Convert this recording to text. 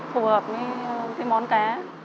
phù hợp với món cá